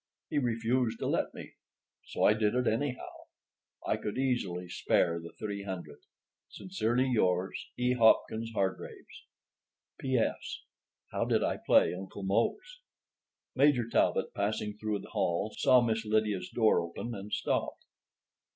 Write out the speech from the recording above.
He refused to let me, so I did it anyhow. I could easily spare the three hundred. Sincerely yours, H. HOPKINS HARGRAVES. P.S. How did I play Uncle Mose? Major Talbot, passing through the hall, saw Miss Lydia's door open and stopped.